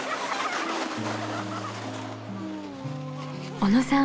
小野さん